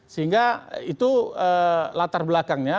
sehingga itu latar belakangnya